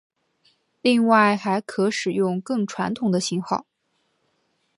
另外还可使用更传统的型号。